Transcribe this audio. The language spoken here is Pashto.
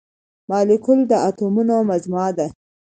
مالیکول د اتومونو مجموعه ده.